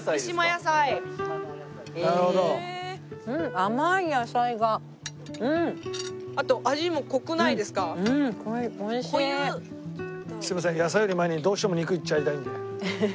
野菜より前にどうしても肉いっちゃいたいんで。